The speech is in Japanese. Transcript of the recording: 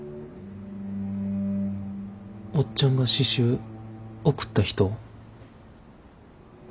おっちゃんが詩集贈った人？